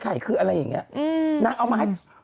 พี่แมว่ะแต่หนุ่มไม่ได้พี่แมว่ะแต่หนุ่มไม่ได้